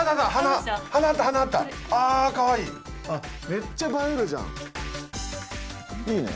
めっちゃ映えるじゃん。いいね。